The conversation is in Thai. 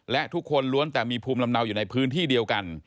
และทุกคนล้วนแต่มีภูมิลำเนาอยู่ในพื้นที่เดียวกัน